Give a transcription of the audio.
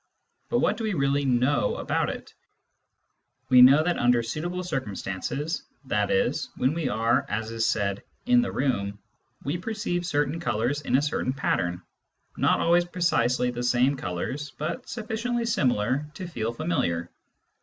But what do we really know about it ? We know that under suitable circumstances — i.e. when we are, as is said, " in the room "— we perceive certain colours in a certain pattern : not always precisely the same colours, but sufficiently similar to feel familiar.